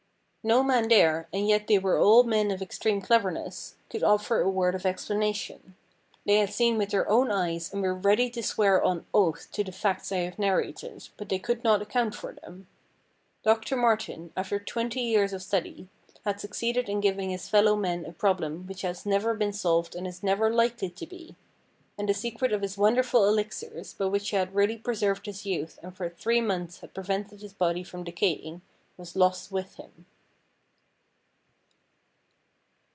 No man there, and yet they were all men of extreme cleverness, could offer a word of explanation. They had Seen with their own eyes and were ready to swear on oath to the facts I have narrated, but they could not account for them. Doctor Martin, after twenty years of study, had succeeded in giving his fellow men a problem which has never been solved and is never likely to be ; and the secret of his wonderful elixirs, by which he had really preserved his youth and for three months had prevented his body from decaying, was lost with him.